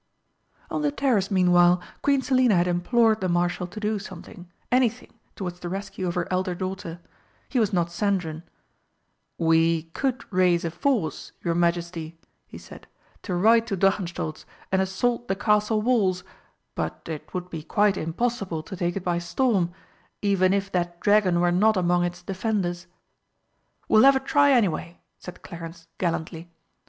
On the terrace meanwhile Queen Selina had implored the Marshal to do something anything towards the rescue of her elder daughter. He was not sanguine; "We could raise a force, your Majesty," he said, "to ride to Drachenstolz and assault the Castle walls, but it would be quite impossible to take it by storm, even if that dragon were not among its defenders." "We'll have a try anyway," said Clarence gallantly.